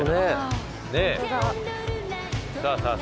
さあさあ